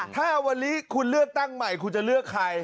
ถ้าวันนี้คุณเลือกตั้งใหม่คุณจะเลือกใคร